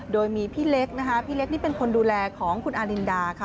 โดยมีพี่เล็กนะคะพี่เล็กนี่เป็นคนดูแลของคุณอารินดาค่ะ